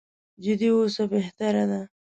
جدي واوسو بهتره ده.